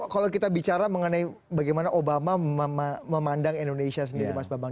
kalau kita bicara mengenai bagaimana obama memandang indonesia sendiri mas bambang